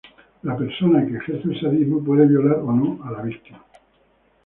La persona que ejerce el sadismo puede violar o no a la víctima.